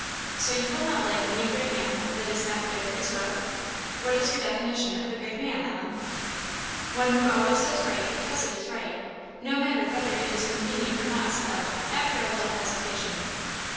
"So you will not like any great man that is not good as well. What is your definition of a good man, Ellen?" "One who always does right because it is right, no matter whether it is convenient or not," said Ellen, after a little hesitation.